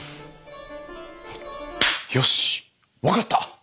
よし分かった！